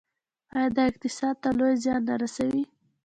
آیا دا اقتصاد ته لوی زیان نه رسوي؟